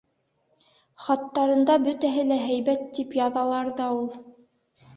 Хаттарында бөтәһе лә һәйбәт тип яҙалар ҙа ул...